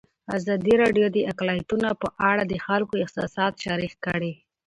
ازادي راډیو د اقلیتونه په اړه د خلکو احساسات شریک کړي.